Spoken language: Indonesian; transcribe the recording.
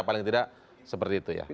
paling tidak seperti itu ya